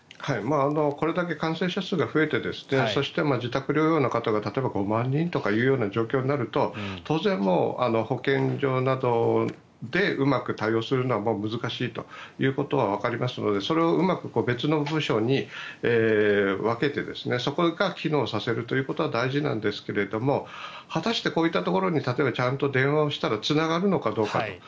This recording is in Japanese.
これだけ感染者数が増えてそして、自宅療養の方が５万人というような状況になると当然、保健所などでうまく対応するのはもう難しいということはわかりますのでそれをうまく別の部署に分けてそこが機能させるということは大事なんですけど果たして、こういったところにちゃんと電話をしたらつながるのかどうか。